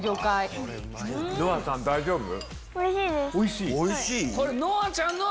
乃愛さん大丈夫？